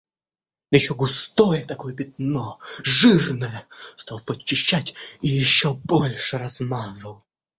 Да ещё густое такое пятно... жирное. Стал подчищать и ещё больше размазал.